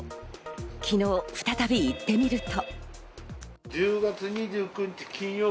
昨日、再び行ってみると。